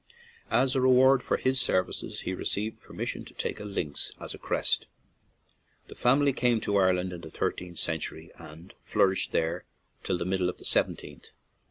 As a re ward for his services, he received permis sion to take a lynx as a crest. The fam ily came to Ireland in the thirteenth cen tury, and flourished there till the middle of the seventeenth.